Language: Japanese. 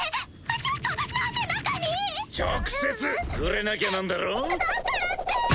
ちょっとなんで中に⁉直接触れなきゃなんだろ？だからって！